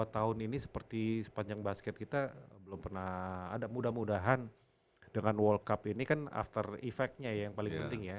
tahun ini seperti sepanjang basket kita belum pernah ada mudah mudahan dengan world cup ini kan after effect nya ya yang paling penting ya